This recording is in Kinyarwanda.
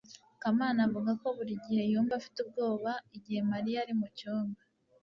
kamana avuga ko buri gihe yumva afite ubwoba igihe mariya ari mucyumba